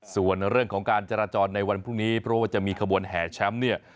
ส่วนเรื่องของการจราจรในวันพรุ่งนี้เพราะว่าจะมีขบวนแห่แชมป์เนี่ย